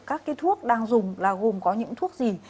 các cái thuốc đang dùng là gồm có những thuốc gì